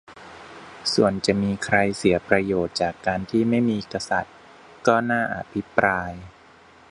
ส่วนจะมีใครเสียประโยชน์จากการที่ไม่มีกษัตริย์ ก็น่าอภิปราย